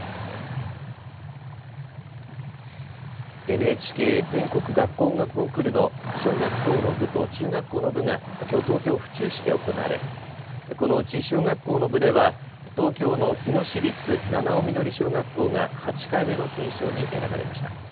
ＮＨＫ全国学校音楽コンクールの小学校の部と中学校の部がきょう東京府中市で行われこのうち小学校の部では東京の日野市立七生緑小学校が８回目の金賞に選ばれました。